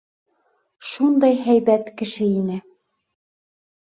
Шундай һәйбәт кеше ине.